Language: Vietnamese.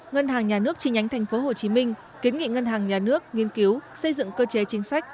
ngân hàng nhà nước chi nhánh tp hcm kiến nghị ngân hàng nhà nước nghiên cứu xây dựng cơ chế chính sách